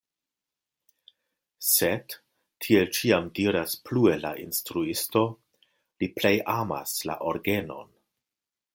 Sed, tiel ĉiam diras plue la instruisto, li plej amas la orgenon.